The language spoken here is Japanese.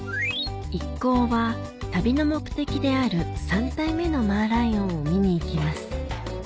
一行は旅の目的である３体目のマーライオンを見に行きます